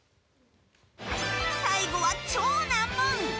最後は超難門！